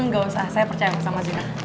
gak usah saya percaya sama mas duna